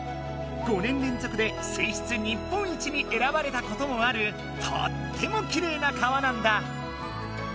５年れんぞくで水質日本一にえらばれたこともあるとってもきれいな川なんだ。